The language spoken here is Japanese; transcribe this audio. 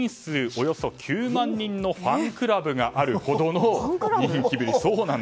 およそ９万人のファンクラブがあるほどの人気ぶり。